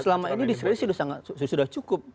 selama ini diskresi sudah cukup